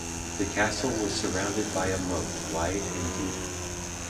The castle was surrounded by a moat wide and deep.